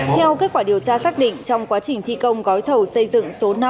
theo kết quả điều tra xác định trong quá trình thi công gói thầu xây dựng số năm